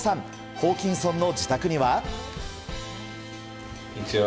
ホーキンソンの自宅には。